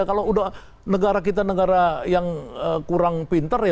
kalau udah negara kita negara yang kurang pinter